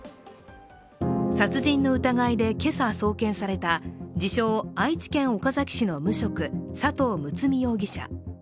殺人の疑いで今朝、送検された自称・愛知県岡崎市の無職、佐藤睦容疑者。